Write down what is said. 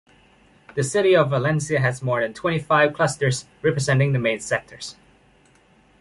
The city of Valencia has more than twenty-five clusters representing the main sectors.